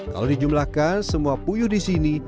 kalau dijumlahkan semua puyuh di sini